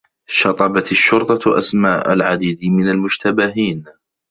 شطبت الشّرطة أسماء العديد من المشتبهين.